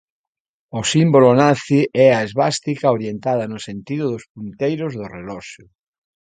O símbolo nazi é a esvástica orientada no sentido dos punteiros do reloxo.